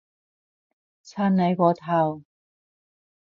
襯你個頭